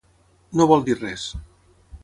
No vol dir res.